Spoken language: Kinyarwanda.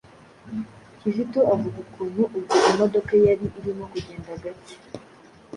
Kizito avuga ukuntu ubwo imodoka yari irimo kugenda gacye,